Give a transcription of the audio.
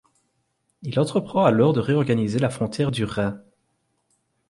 Il entreprend alors de réorganiser la frontière du Rhin.